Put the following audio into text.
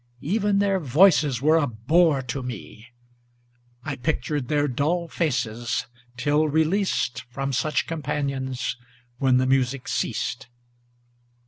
Even their voices were a bore to me; I pictured their dull faces, till released From such companions, when the music ceased.